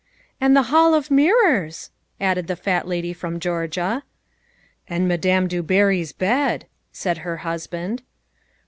"And the Hall of Mirrors," added the fat lady from Georgia. "And Madame du Barry's bed" said her husband.